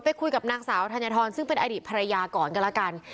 คุยกับนางสาวธัญฑรซึ่งเป็นอดีตภรรยาก่อนก็แล้วกัน